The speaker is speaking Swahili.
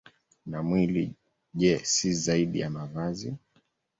Na mwili, je, si zaidi ya mavazi?